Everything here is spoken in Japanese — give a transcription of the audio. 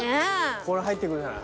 これ入ってくんじゃない？